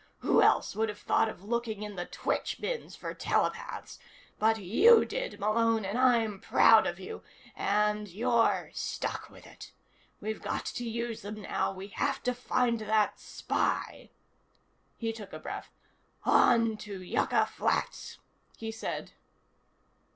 Who else would have thought of looking in the twitch bins for telepaths? But you did, Malone, and I'm proud of you, and you're stuck with it. We've got to use them now. We have to find that spy!" He took a breath. "On to Yucca Flats!" he said.